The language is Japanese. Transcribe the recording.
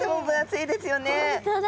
本当だ。